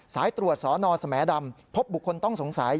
สายตรวจสอนอสแหมดำพบบุคคลต้องสงสัย